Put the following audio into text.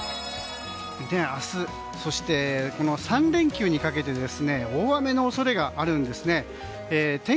明日、そしてこの３連休にかけて大雨の恐れがあるんですね。